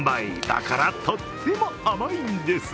だからとっても甘いんです。